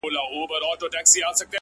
• له حملو د ګیدړانو د لېوانو ,